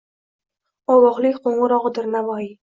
Ogohlik qo‘ng‘irog‘idir Navoiy!